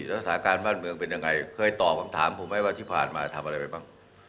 สถานการณ์บ้านเมืองเป็นยังไงเคยตอบคำถามผมไหมว่าที่ผ่านมาทำอะไรไปบ้าง